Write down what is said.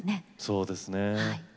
そうですね。